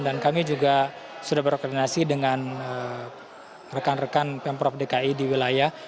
dan kami juga sudah berkoordinasi dengan rekan rekan pemprov dki di wilayah